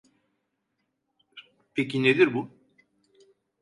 Peki nedir bu?